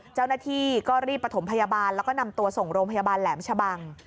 เจ้าหน้าที่ก็รีบประถมพยาบาลแล้วก็นำตัวส่งโรงพยาบาลแหลมชะบัง